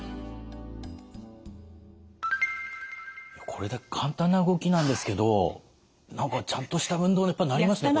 これだけ簡単な動きなんですけど何かちゃんとした運動になりますね。